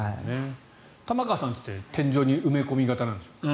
玉川さんの家って天井に埋め込み型なんですよね。